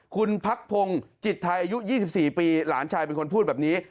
คุณพักพงศ์จิตไทยอายุ๒๔ปีหลานชายเป็นคนพูดแบบนี้